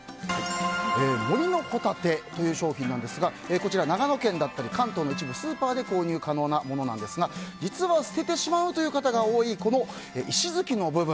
森のほたてという商品なんですが長野県だったり関東の一部スーパーで購入可能なものなんですが実は、捨ててしまう方が多いこの石づきの部分。